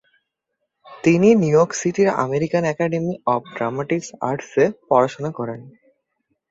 তিনি New York সিটির American academy of dramatic আর্টসে পড়াশোনা করেন।